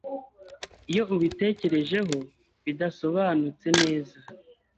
Iyo ubitekerejeho bidasobanutse neza.